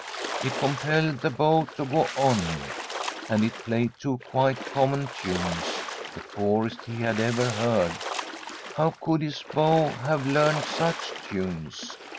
He compelled the bow to go on. And it played two quite common tunes, the poorest he had ever heard. How could his bow have learned such tunes?